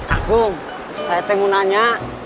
aku saya teh mau nanya